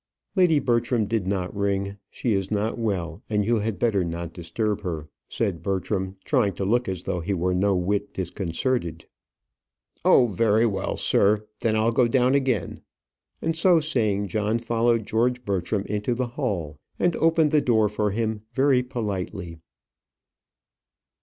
"Lady Bertram did not ring. She is not well, and you had better not disturb her," said Bertram, trying to look as though he were no whit disconcerted. "Oh, very well, sir; then I'll go down again;" and so saying John followed George Bertram into the hall, and opened the door for him very politely.